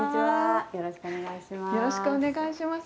よろしくお願いします。